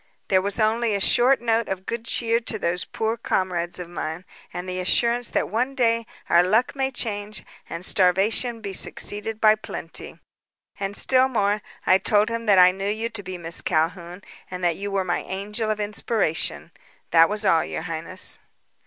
There was also a short note of good cheer to those poor comrades of mine, and the assurance that one day our luck may change and starvation be succeeded by plenty. And, still more, I told him that I knew you to be Miss Calhoun and that you were my angel of inspiration. That was all, your highness."